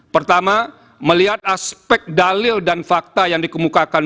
pertama melihat aspek dalil dan fakta yang dikemukakan